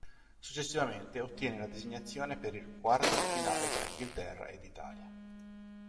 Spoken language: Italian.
Successivamente, ottiene la designazione per il quarto di finale tra Inghilterra ed Italia.